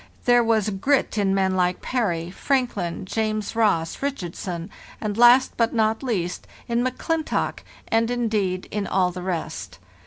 There was grit in men like Parry, Frank lin, James Ross, Richardson, and last, but not least, in M'Clintock, and, indeed, in all the rest.